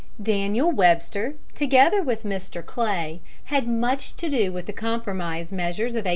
Daniel Webster, together with Mr. Clay, had much to do with the Compromise measures of 1850.